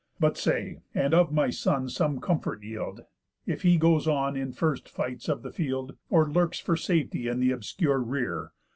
But say, and of my son some comfort yield, If he goes on in first fights of the field, Or lurks for safety in the obscure rear?